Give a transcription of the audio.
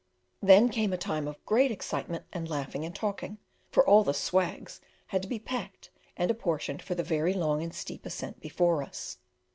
Then came a time of great excitement and laughing and talking, for all the "swags" had to be packed and apportioned for the very long and steep ascent before us.